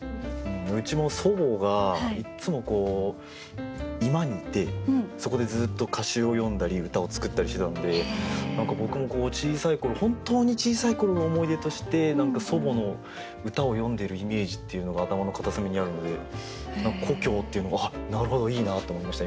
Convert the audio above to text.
うちも祖母がいっつも居間にいてそこでずっと歌集を読んだり歌を作ったりしてたので何か僕も小さい頃本当に小さい頃の思い出として何か祖母の歌をよんでるイメージっていうのが頭の片隅にあるので何か「故郷」っていうのが「なるほどいいな」と思いました